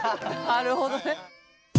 なるほどね。